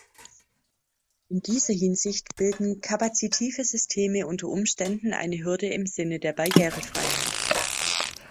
In dieser Hinsicht bilden kapazitive Systeme unter Umständen eine Hürde im Sinne der Barrierefreiheit.